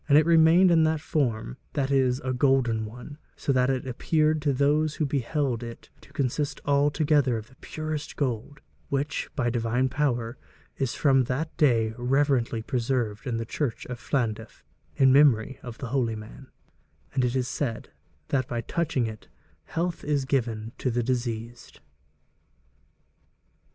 And it remained in that form, that is, a golden one, so that it appeared to those who beheld it to consist altogether of the purest gold, which, by divine power, is from that day reverently preserved in the church of Llandaff in memory of the holy man, and it is said that by touching it health is given to the diseased.'